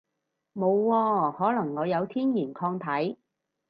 冇喎，可能我有天然抗體